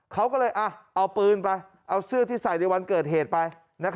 เขาก็เลยเอาปืนไปเอาเสื้อที่ใส่ในวันเกิดเหตุไป